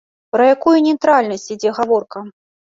Пра якую нейтральнасць ідзе гаворка?